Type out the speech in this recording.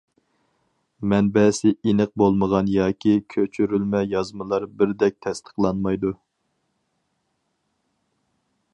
مەنبەسى ئېنىق بولمىغان ياكى كۆچۈرۈلمە يازمىلار بىردەك تەستىقلانمايدۇ!